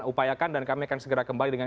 upayakan dan kami akan segera kembali dengan